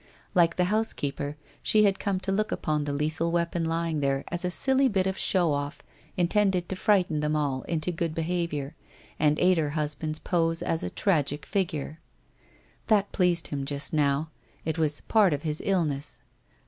Like the housekeeper, she had come to look upon the lethal weapon lying there as a silly bit of ' show off,' intended to frighten them all into good behaviour and aid her husband's pose as a tragic figure. That pleased him just now; it was part of his illness.